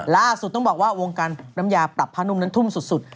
ล่าสุดต้องบอกว่าวงการน้ำยาปรับผ้านุ่มนั้นทุ่มสุด